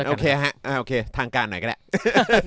โอเคทางการหน่อยก็ได้